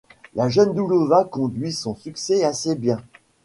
La jeune Doulova conduit son succès assez bien.